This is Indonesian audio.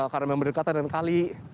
karena memang berdekatan dengan kali